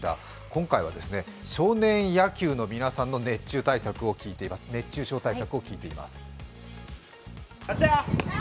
今回は、少年野球の皆さんの熱中症対策を聞いています。